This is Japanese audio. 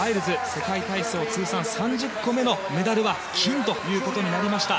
世界体操で通算３０個目のメダルは金となりました。